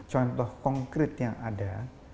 contoh konkret yang ada